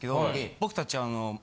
僕たち。